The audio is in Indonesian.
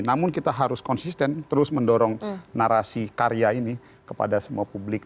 namun kita harus konsisten terus mendorong narasi karya ini kepada semua publik